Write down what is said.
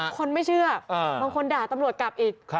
คนไม่เชื่อบางคนด่าตำรวจกลับอีก